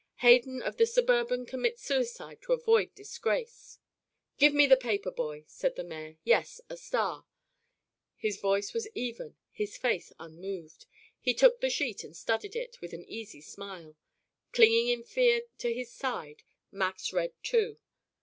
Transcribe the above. Hayden of the Suburban Commits Suicide to Avoid Disgrace." "Give me a paper, boy," said the mayor. "Yes a Star." His voice was even, his face unmoved. He took the sheet and studied it, with an easy smile. Clinging in fear to his side, Max read, too.